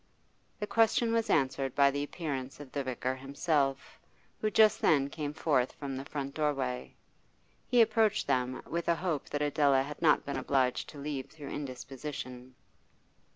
The question was answered by the appearance of the vicar himself, who just then came forth from the front doorway. He approached them, with a hope that Adela had not been obliged to leave through indisposition.